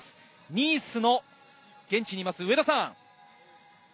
ニースの現地にいます、上田さん！